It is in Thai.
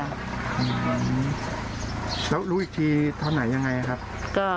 แล้วรู้อีกทีเท่านั้นยังไงครับ